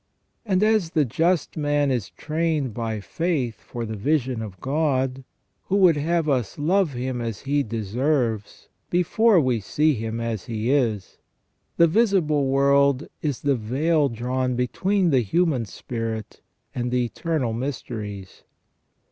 And as the just man is trained by faith for the vision of God, who would have us love Him as He deserves before we see Him as He is, the visible world is the veil drawn between the human spirit and the eternal mysteries.